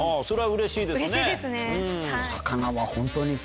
それはうれしいですね。